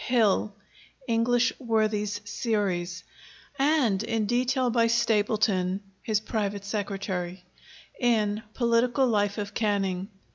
Hill (English Worthies Series), and in detail by Stapleton (his private secretary) in 'Political Life of Canning.'